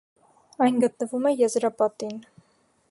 Այն գտնվում է եզրապատին։